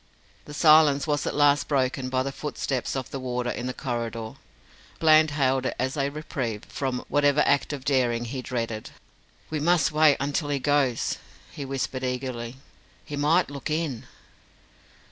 The silence was at last broken by the footsteps of the warder in the corridor. Bland hailed it as a reprieve from whatever act of daring he dreaded. "We must wait until he goes," he whispered eagerly. "He might look in."